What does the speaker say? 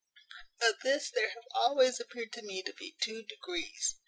Of this there have always appeared to me to be two degrees.